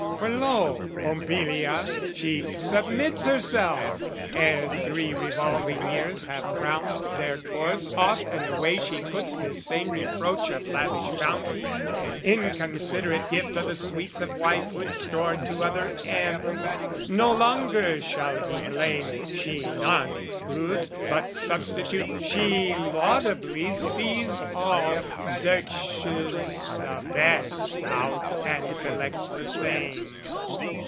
For lo, Pompilia, she submits herself; Ere three revolving years have crowned their course, Off and away she puts this same reproach Of lavish bounty, inconsiderate gift O' the sweets of wifehood stored to other ends: No longer shall he blame "She none excludes," But substitute "She laudably sees all, "Searches the best out and selects the same."